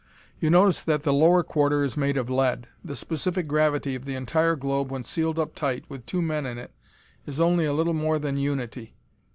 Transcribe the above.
"You notice that the lower quarter is made of lead. The specific gravity of the entire globe when sealed up tight with two men in it is only a little more than unity.